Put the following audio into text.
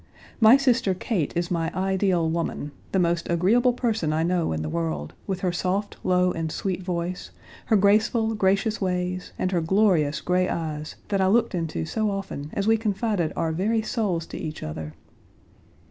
My sister, Kate, is my ideal woman, the most agreeable person I know in the world, with her soft, low, and sweet voice, her graceful, gracious ways, and her glorious gray eyes, that I looked into so often as we confided our very souls to each other.